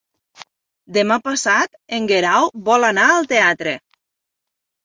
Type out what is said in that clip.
Demà passat en Guerau vol anar al teatre.